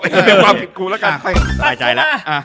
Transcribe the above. เห็นว่าเป็นความผิดกูละกัน